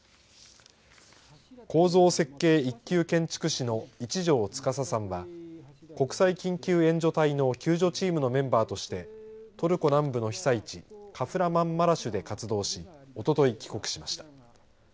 構造設計一級建築士の一條典さんは国際緊急援助隊の救助チームのメンバーとしてトルコ南部の被災地カフラマンマラシュで活動しおととい帰国しました。